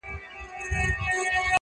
ستا د پښو ترپ ته هركلى كومه.